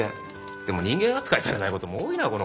でも人間扱いされないことも多いなこの会社。